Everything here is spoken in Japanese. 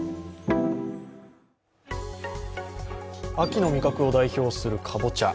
秋の味覚を代表するかぼちゃ。